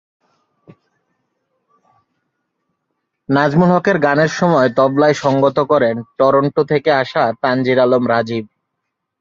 নাজমুল হকের গানের সময় তবলায় সংগত করেন টরন্টো থেকে আসা তানজীর আলম রাজীব।